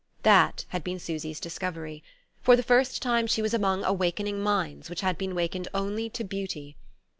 That had been Susy's discovery: for the first time she was among awakening minds which had been wakened only to beauty.